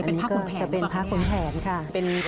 เคยเป็นพระคุณแผนหรือเปล่าอันนี้ก็จะเป็นพระคุณแผนค่ะ